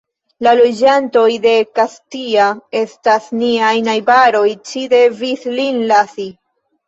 La loĝantoj de Kastia estas niaj najbaroj, ci devis ilin lasi.